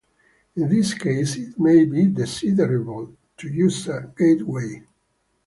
In this case, it may be desirable to use a gateway.